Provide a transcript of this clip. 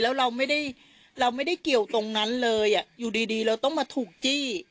แล้วเราไม่ได้เราไม่ได้เกี่ยวตรงนั้นเลยอยู่ดีเราต้องมาถูกจี้